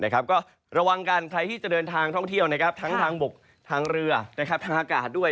ก็ระวังกันใครที่จะเดินทางท่องเที่ยวทั้งทางบกทางเรือทางอากาศด้วย